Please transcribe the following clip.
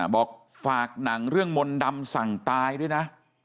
บอกฝากหนังเรื่องมนต์ดำสั่งตายด้วยนะ